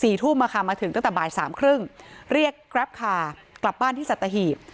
สี่ทุ่มมาถึงตั้งแต่บ่ายสามครึ่งเรียกกรัปคาร์กลับบ้านที่สัตหิต